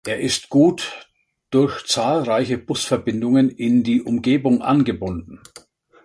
Er ist gut durch zahlreiche Busverbindungen in die Umgebung angebunden.